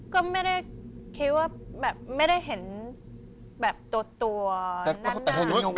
ก็ไม่ได้คิดว่าแบบไม่ได้เห็นแบบตัวนั้น